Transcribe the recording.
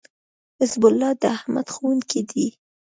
حزب الله داحمد ښوونکی دی